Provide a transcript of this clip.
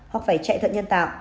hoặc phải chạy thận nhân tạo